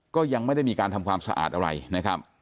ก็ยังไม่ได้มีการทำความสะอาดอะไรนะครับ